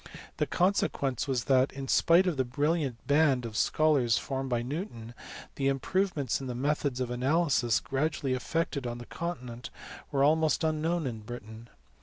The consequence was that, in spite of the brilliant band of scholars formed by Newton, the improvements in the methods of analysis gradually effected on the continent were almost unknown in Britain.